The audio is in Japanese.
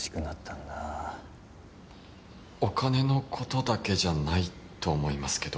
お金の事だけじゃないと思いますけど。